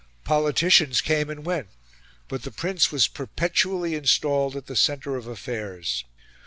Politicians came and went, but the Prince was perpetually installed at the centre of affairs.